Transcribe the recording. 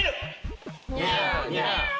ニャーニャー。